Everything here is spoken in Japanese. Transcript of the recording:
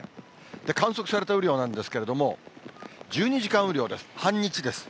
観測された雨量なんですけれども、１２時間雨量です、半日です。